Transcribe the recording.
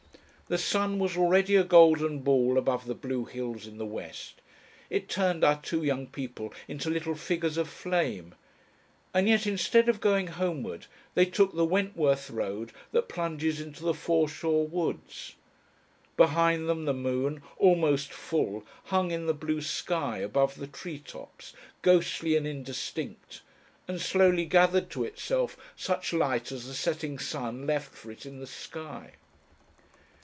The sun was already a golden ball above the blue hills in the west it turned our two young people into little figures of flame and yet, instead of going homeward, they took the Wentworth road that plunges into the Forshaw woods. Behind them the moon, almost full, hung in the blue sky above the tree tops, ghostly and indistinct, and slowly gathered to itself such light as the setting sun left for it in the sky.